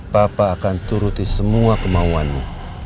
papa akan turuti semua kemauanmu